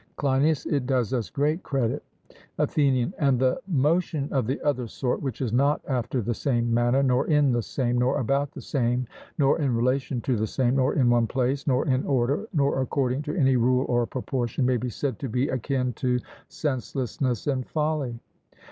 CLEINIAS: It does us great credit. ATHENIAN: And the motion of the other sort which is not after the same manner, nor in the same, nor about the same, nor in relation to the same, nor in one place, nor in order, nor according to any rule or proportion, may be said to be akin to senselessness and folly?